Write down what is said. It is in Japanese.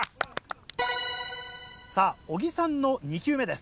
さぁ小木さんの２球目です。